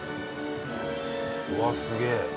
うわすげえ。